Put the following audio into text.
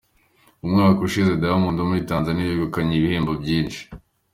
Mu mwaka ushize, Diamond wo muri Tanzania ni we wegukanye ibihembo byinshi.